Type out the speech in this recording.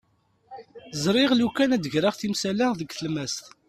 Ẓriɣ lukan ad d-greɣ timsal-a deg tlemmast.